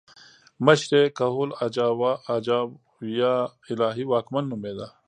مشر یې کهول اجاو یا الهي واکمن نومېده